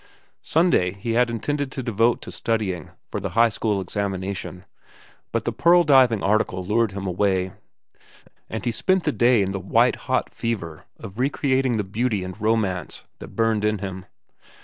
Sunday he had intended to devote to studying for the high school examination, but the pearl diving article lured him away, and he spent the day in the white hot fever of re creating the beauty and romance that burned in him.